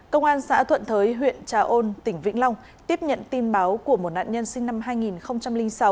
công an xã thuận thới huyện trà ôn tỉnh vĩnh long tiếp nhận tin báo của một nạn nhân sinh năm hai nghìn sáu